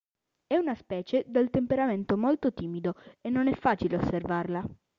È una specie dal temperamento molto timido, e non è facile osservarla.